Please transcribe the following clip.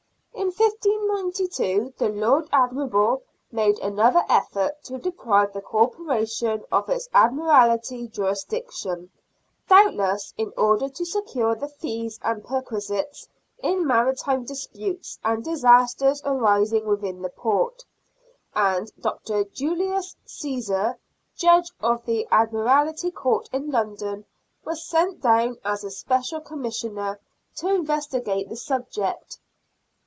In 1592 the Lord Admiral made another effort to deprive the Corporation of its Admiralty jurisdiction, doubtless in order to secure the fees and perquisites in maritime disputes and disasters arising within the port ; and Dr. Julius Csesar, Judge of the Admiralty Court in London, was sent down as a special 102 POVERTY OF BRISTOL CLERGY. 103 Commissioner to investigate the subject.